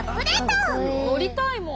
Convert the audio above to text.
乗りたいもん。